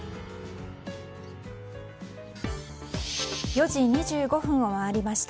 ４時２５分を回りました。